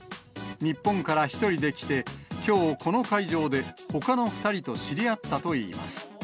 日本から１人で来て、きょう、この会場でほかの２人と知り合ったといいます。